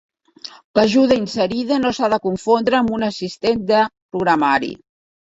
L'ajuda inserida no s'ha de confondre amb un assistent de programari.